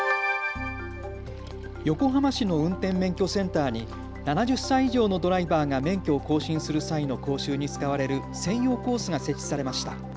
横浜市の運転免許センターに７０歳以上のドライバーが免許を更新する際の講習に使われる専用コースが設置されました。